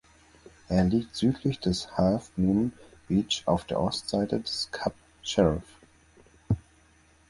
Er liegt südlich des Half Moon Beach auf der Ostseite des Kap Shirreff.